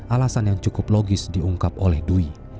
alasan yang cukup logis diungkap oleh dwi